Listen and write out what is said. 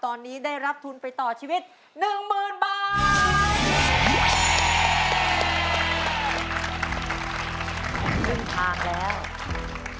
ตอนนี้ได้รับทุนไปต่อชีวิต๑๐๐๐บาท